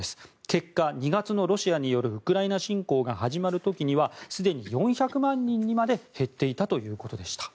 結果、２月のロシアによるウクライナ侵攻が始まる時にはすでに４００万人にまで減っていたということでした。